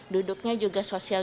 duduknya juga sosial